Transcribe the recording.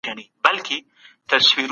ټکنالوژي په نړۍ کي په چټکۍ سره پرمختګ کوي.